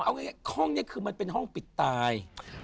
เอาง่ายห้องนี้คือมันเป็นห้องปิดตาย